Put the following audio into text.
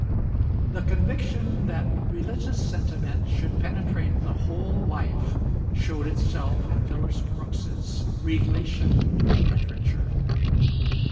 The conviction that religious sentiment should penetrate the whole life showed itself in Phillips Brooks's relation to literature.